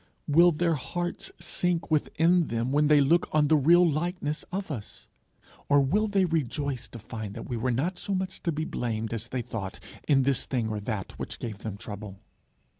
Will their hearts sink within them when they look on the real likeness of us? Or will they rejoice to find that we were not so much to be blamed as they thought, in this thing or that which gave them trouble?